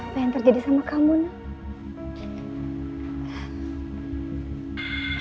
apa yang terjadi sama kamu nak